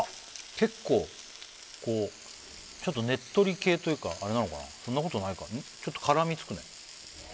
結構こうちょっとねっとり系というかあれなのかなそんなことないかちょっと絡みつくね